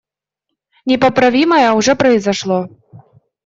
Непоправимое уже произошло.